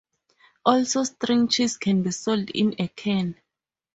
Also string cheese can be sold in a can.